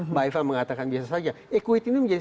mbak iva mengatakan biasa saja equity ini menjadi